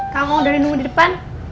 kamu dari nunggu di depan